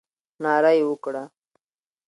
ناره یې وکړه.